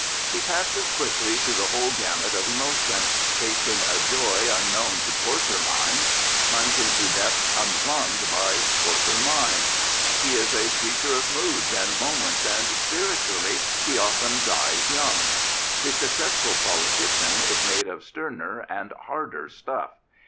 He passes quickly through the whole gamut of emotion, tasting a joy unknown to coarser minds, plunging to depths unplumbed by coarser minds. He is a creature of moods and moments, and spiritually he often dies young. The successful politician is made of sterner and harder stuff.